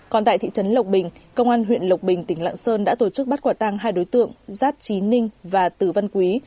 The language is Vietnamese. còn tại thị trấn lộc bình công an huyện lộc bình tỉnh lạng sơn đã tổ chức bắt quả tăng hai đối tượng giáp trí ninh và từ văn quý